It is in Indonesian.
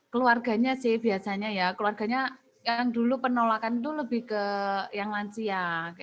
keluarganya sih biasanya ya keluarganya yang dulu penolakan itu lebih ke yang lansia